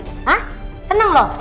hah senang lu